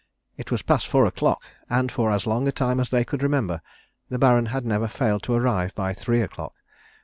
It was past four o'clock, and for as long a time as they could remember the Baron had never failed to arrive by three o'clock.